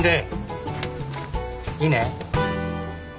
いいね。